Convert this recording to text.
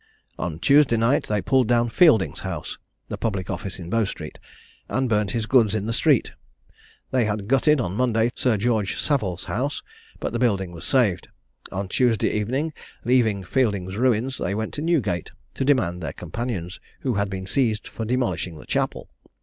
"On Tuesday night they pulled down Fielding's house (the public office in Bow street), and burnt his goods in the street. They had gutted, on Monday, Sir George Saville's house; but the building was saved. On Tuesday evening, leaving Fielding's ruins, they went to Newgate, to demand their companions, who had been seized for demolishing the chapel.